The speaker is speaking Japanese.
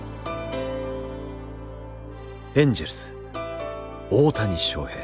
エンジェルス大谷翔平。